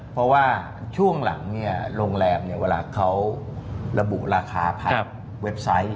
เพราะว่าช่วงหลังเนี่ยโรงแรมเวลาเขาระบุราคาผ่านเว็บไซต์